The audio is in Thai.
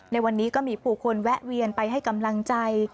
ในวันนี้ก็มีผู้คนแวะเวียนไปให้กำลังใจ